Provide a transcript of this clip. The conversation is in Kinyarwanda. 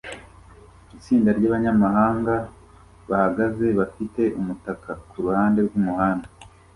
Itsinda ryabanyamahanga bahagaze bafite umutaka kuruhande rwumuhanda